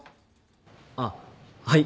あっはい。